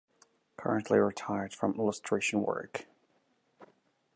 Currently retired from illustration work.